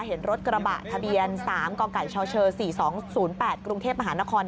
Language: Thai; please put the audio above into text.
เห็นรถกระบะทะเบียน๓กกชช๔๒๐๘กรุงเทพมหานคร